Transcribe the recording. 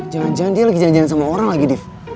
janjian dia lagi janjian sama orang lagi div